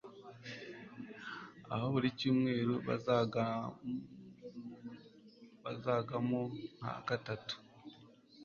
aho buri Cyumweru bazagamo nka gatatu